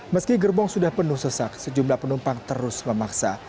meski gerbong sudah penuh sesak sejumlah penumpang terus memaksa